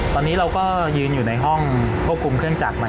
ตอนนี้เราก็ยืนอยู่ในห้องควบคุมเครื่องจักรมัน